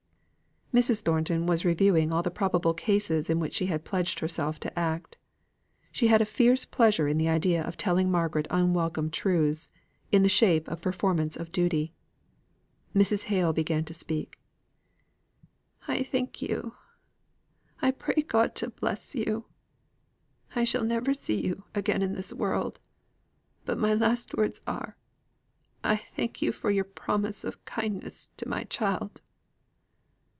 Mrs. Thornton was reviewing all the probable cases in which she had pledged herself to act. She had a fierce pleasure in the idea of telling Margaret unwelcome truths, in the shape of performance of duty. Mrs. Hale began to speak: "I thank you. I pray God to bless you. I shall never see you again in this world. But my last words are, I thank you for your promise of kindness to my child."